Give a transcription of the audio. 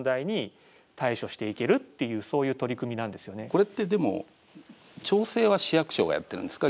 これって、調整は市役所がやってるんですか